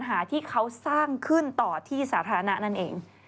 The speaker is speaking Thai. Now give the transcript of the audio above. หาที่เขาสร้างขึ้นต่อที่สาธารณะนั่นเอง